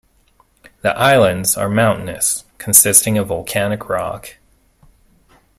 The islands are mountainous, consisting of volcanic rock.